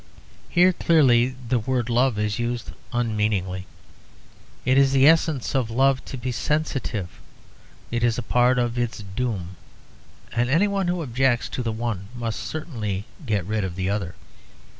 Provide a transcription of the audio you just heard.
Here clearly the word 'love' is used unmeaningly. It is the essence of love to be sensitive, it is a part of its doom; and anyone who objects to the one must certainly get rid of the other.